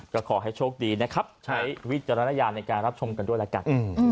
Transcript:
ก็ขอให้โชคดีนะครับใช้วิจารณญาณในการรับชมกันด้วยละกัน